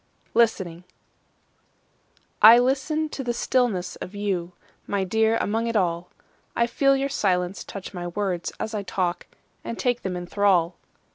Listening I LISTEN to the stillness of you, My dear, among it all;I feel your silence touch my words as I talk, And take them in thrall.